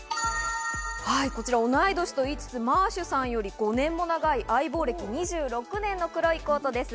こちら、同い年といいつつ、マーシュさんより５年も長い、相棒歴２６年の黒いコートです。